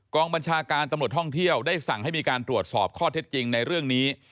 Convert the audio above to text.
บัญชาการตำรวจท่องเที่ยวได้สั่งให้มีการตรวจสอบข้อเท็จจริงในเรื่องนี้